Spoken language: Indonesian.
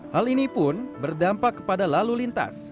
hal ini pun berdampak kepada lalu lintas